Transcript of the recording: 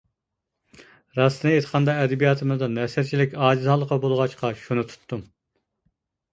راستىنى ئېيتقاندا، ئەدەبىياتىمىزدا نەسرچىلىك ئاجىز ھالقا بولغاچقا شۇنى تۇتتۇم.